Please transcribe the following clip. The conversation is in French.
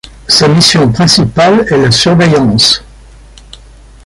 Sa mission principale est la surveillance.